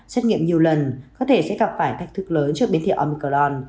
xét nghiệm nhiều lần có thể sẽ gặp phải thách thức lớn cho biến thiệu omicron